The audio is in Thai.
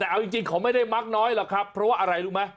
แต่เอาจริงเขาไม่ได้มักน้อยหรอกครับเพราะว่าอะไรรู้ไหม